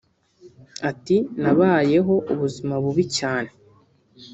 Ati “Nabayeho ubuzima bubi cyane